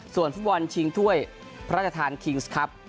ส่วนฟุตบอลชิงถ้วยพระราชทานคิงส์ครับ